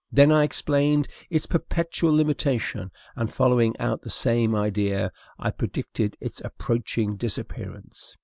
Then I explained its perpetual limitation; and, following out the same idea, I predicted its approaching disappearance.